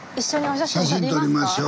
写真撮りましょう。